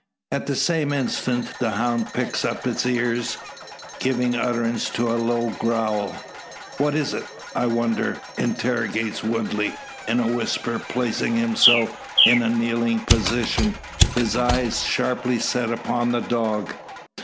At the same instant, the hound pricks up its ears, giving utterance to a low growl. "What is't, I wonder?" interrogates Woodley, in a whisper, placing himself in a kneeling posture, his eyes sharply set upon the dog.